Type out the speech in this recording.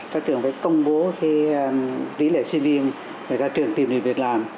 các trường phải công bố cái lý lệ sinh viên các trường tìm được việc làm